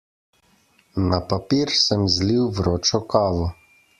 Na papir sem zlil vročo kavo.